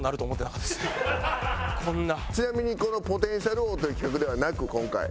ちなみにこの「ポテンシャル王」という企画ではなく今回。